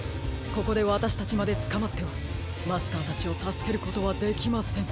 ここでわたしたちまでつかまってはマスターたちをたすけることはできません。